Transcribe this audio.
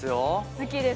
好きです。